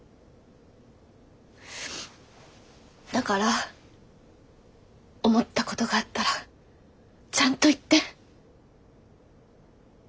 だから思ったことがあったらちゃんと言って。